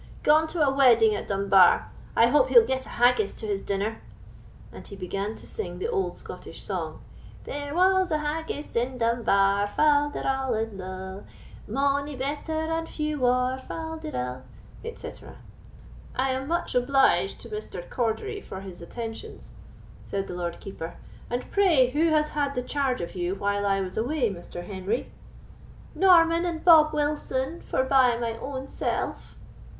"Gone to a wedding at Dunbar; I hope he'll get a haggis to his dinner"; and he began to sing the old Scottish song: "There was a haggis in Dunbar, Fal de ral, &c. Mony better and few waur, Fal de ral," &c. "I am much obliged to Mr. Cordery for his attentions," said the Lord Keeper; "and pray who has had the charge of you while I was away, Mr. Henry?" "Norman and Bob Wilson, forbye my own self."